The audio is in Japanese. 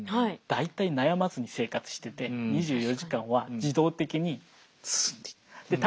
大体悩まずに生活してて２４時間は自動的に進んでいく。